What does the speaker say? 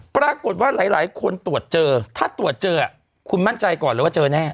ปรากฏว่าหลายคนตรวจเจอถ้าตรวจเจอคุณมั่นใจก่อนเลยว่าเจอแน่